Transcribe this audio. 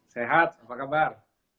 sehat apa kabar